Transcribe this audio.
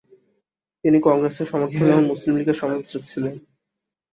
তিনি কংগ্রেসের সমর্থক এবং মুসলিম লীগের সমালোচক ছিলেন।